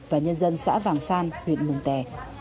và nhân dân xã vàng san huyện mường tè